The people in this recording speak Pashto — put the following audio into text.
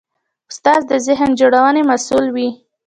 استاد د ذهن جوړونې مسوول وي.